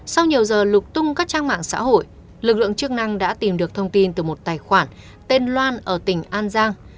sau nhiều giờ lục tung các trang mạng xã hội lực lượng chức năng đã tìm được thông tin từ một tài khoản tên loan ở tỉnh an giang